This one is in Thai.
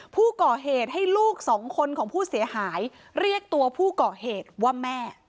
ผู้ก่อเหตุให้ลูกสองคนของผู้เสียหายเรียกตัวผู้ก่อเหตุว่าแม่